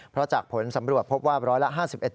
เพราะจากผลสำรวจพบว่าร้อยละ๕๑